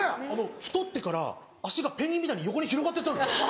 太ってから足がペンギンみたいに横に広がって行ったんですよ。